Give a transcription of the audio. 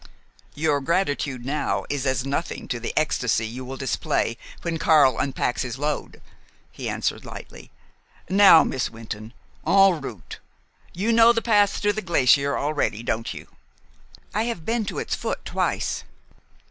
"Your gratitude now is as nothing to the ecstasy you will display when Karl unpacks his load," he answered lightly. "Now, Miss Wynton, en route! You know the path to the glacier already, don't you?" "I have been to its foot twice."